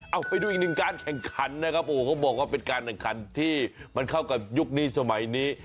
เอาไปดูอีกหนึ่งการแข่งขันนะครับโอ้เขาบอกว่าเป็นการแข่งขันที่มันเข้ากับยุคนี้สมัยนี้